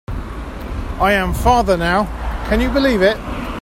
I am father now, can you believe it?